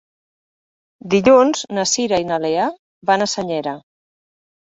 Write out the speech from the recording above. Dilluns na Cira i na Lea van a Senyera.